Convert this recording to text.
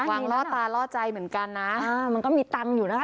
ล่อตาล่อใจเหมือนกันนะอ่ามันก็มีตังค์อยู่นะคะ